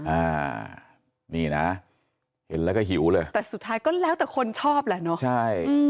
อ่านี่นะเห็นแล้วก็หิวเลยแต่สุดท้ายก็แล้วแต่คนชอบแหละเนอะใช่